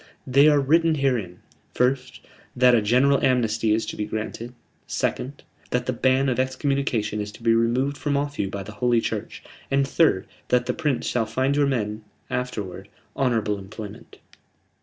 "They are written herein: first, that a general amnesty is to be granted; second, that the ban of excommunication is to be removed from off you by the Holy Church; and third, that the Prince shall find your men, afterward, honorable employment."